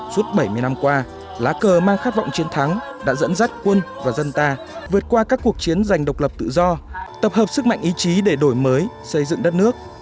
suốt bảy mươi năm qua lá cờ mang khát vọng chiến thắng đã dẫn dắt quân và dân ta vượt qua các cuộc chiến giành độc lập tự do tập hợp sức mạnh ý chí để đổi mới xây dựng đất nước